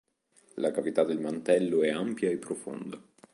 La cavità del mantello è ampia e profonda.